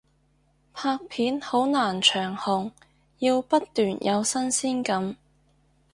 拍片好難長紅，要不斷有新鮮感